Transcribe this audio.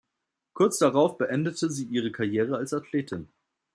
Kurz darauf beendete sie ihre Karriere als Athletin.